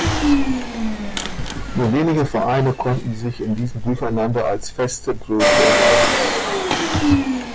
Nur wenige Vereine konnten sich in diesem Durcheinander als feste Größen erweisen.